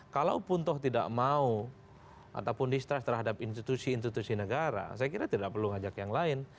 kalaupun toh tidak mau ataupun distrust terhadap institusi institusi negara saya kira tidak perlu ngajak yang lain